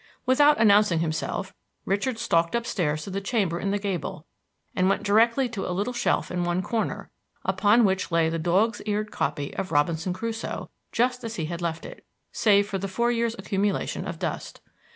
Without announcing himself, Richard stalked up stairs to the chamber in the gable, and went directly to a little shelf in one corner, upon which lay the dog's eared copy of Robinson Crusoe just as he had left it, save the four years' accumulation of dust.